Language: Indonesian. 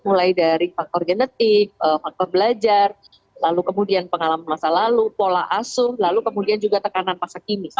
mulai dari faktor genetik faktor belajar lalu kemudian pengalaman masa lalu pola asuh lalu kemudian juga tekanan masa kini